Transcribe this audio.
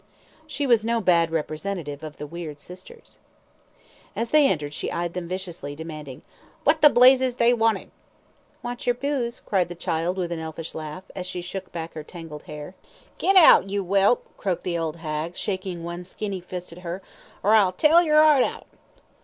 She was no bad representative of the weird sisters. As they entered she eyed them viciously, demanding, "What the blazes they wanted." "Want your booze," cried the child, with an elfish laugh, as she shook back her tangled hair. "Get out, you whelp," croaked the old hag, shaking one skinny fist at her, "or I'll tear yer 'eart out."